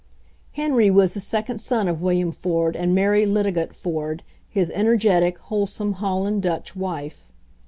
Henry was the second son of William Ford and Mary Litogot Ford, his energetic, whole some Holland Dutch wife.